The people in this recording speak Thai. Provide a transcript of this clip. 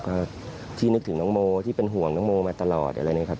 ก็ที่นึกถึงน้องโมที่เป็นห่วงน้องโมมาตลอดอะไรอย่างนี้ครับ